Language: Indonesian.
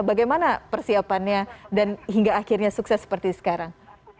bagaimana persiapannya dan hingga akhirnya sukses seperti sekarang